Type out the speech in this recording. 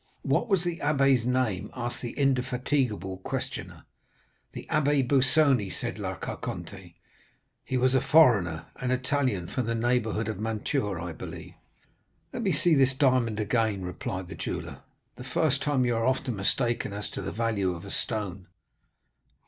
"'What was the abbé's name?' asked the indefatigable questioner. "'The Abbé Busoni,' said La Carconte. "'He was a foreigner?' "'An Italian from the neighborhood of Mantua, I believe.' "'Let me see this diamond again,' replied the jeweller; 'the first time you are often mistaken as to the value of a stone.